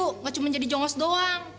tidak cuma jadi jongos doang